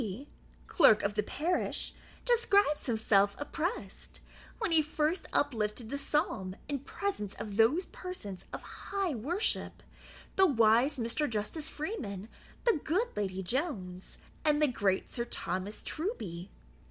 P., clerk of the parish, describes himself oppressed, when he first uplifted the psalm in presence of those persons of high worship, the wise Mr. Justice Freeman, the good Lady Jones, and the great Sir Thomas Truby.